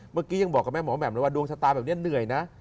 เมื่อกี้ยังบอกกับแม่หมอแหม่มเลยว่าดวงชะตาแบบนี้เหนื่อยนะ